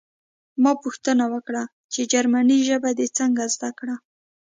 ما پوښتنه وکړه چې جرمني ژبه دې څنګه زده کړه